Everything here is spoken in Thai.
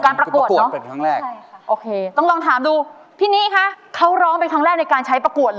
รักไทยหวานชื่นเดี๋ยวนี้ผมคือเป็นยา